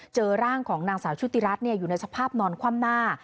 เจอร่างของนางสาวชุติรัฐอยู่ในสภาพนอนคว่ำหน้า